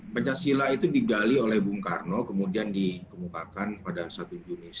pancasila itu digali oleh bung karno kemudian dikemukakan pada satu juni seribu sembilan ratus